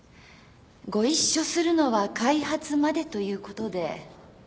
ご一緒するのは開発までということで。